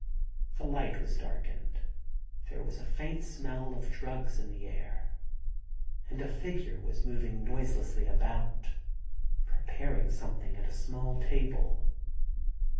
The light was darkened : there was a faint smell of drugs in the air: and a figure was moving noiselessly about, preparing something at a small table.